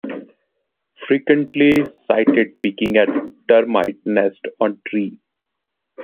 Frequently sighted pecking at termite nests on trees.